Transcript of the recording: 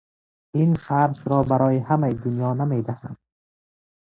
این فرش را به همهی دنیا هم نمیدهم!